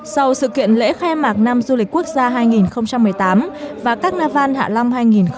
sau sự kiện lễ khai mạc năm du lịch quốc gia hai nghìn một mươi tám và carnival hạ long hai nghìn một mươi chín